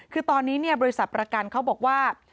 คือตอนนี้บริษัทประกันเขาบอกว่า